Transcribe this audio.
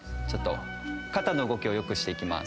肩の動きを良くしていきます。